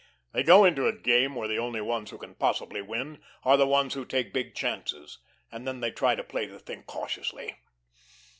They go into a game where the only ones who can possibly win are the ones who take big chances, and then they try to play the thing cautiously.